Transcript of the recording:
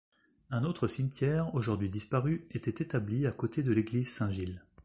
Un autre cimetière, aujourd'hui disparu, était établi à côté de l'église Saint-Gilles.